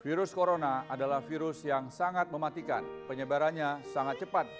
virus corona adalah virus yang sangat mematikan penyebarannya sangat cepat